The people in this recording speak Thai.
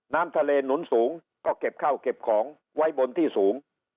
น้ำทะเลหนุนสูงก็เก็บข้าวเก็บของไว้บนที่สูง